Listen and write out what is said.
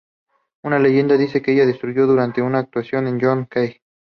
Una leyenda dice que ella lo destruyó durante una actuación con John Cage.